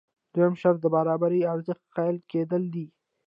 دویم شرط د برابر ارزښت قایل کېدل دي.